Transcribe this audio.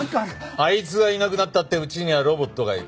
あいつがいなくなったってうちにはロボットがいる。